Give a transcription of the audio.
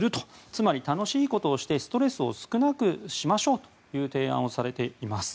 つまり楽しいことをしてストレスを少なくしましょうという提案をされています。